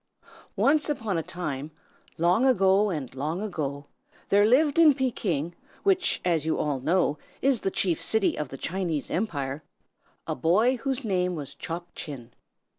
ONCE upon a time, long ago and long ago, there lived in Pekin, which, as you all know, is the chief city of the Chinese Empire, a boy whose name was Chop Chin.